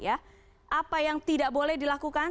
apa yang tidak boleh dilakukan